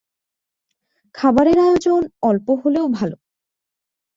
খাবারের আয়োজন অল্প হলেও ভালো।